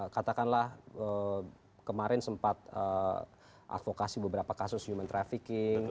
katakanlah kemarin sempat advokasi beberapa kasus human trafficking